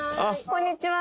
こんにちは。